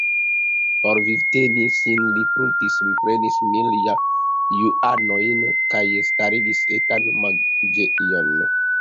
Por vivteni sin li prunte prenis mil juanojn kaj starigis etan manĝejon.